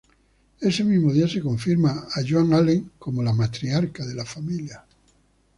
Ese mismo día se confirma a Joan Allen como la matriarca de la familia.